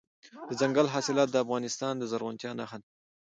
دځنګل حاصلات د افغانستان د زرغونتیا نښه ده.